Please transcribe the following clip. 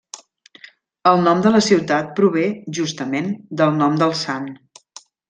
El nom de la ciutat prové, justament, del nom del sant.